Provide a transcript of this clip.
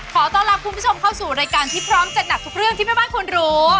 ขอต้อนรับคุณผู้ชมเข้าสู่รายการที่พร้อมจัดหนักทุกเรื่องที่แม่บ้านควรรู้